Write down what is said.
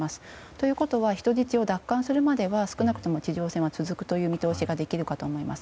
ということは人質を奪還するまでは少なくとも地上戦が続く見通しができるかと思います。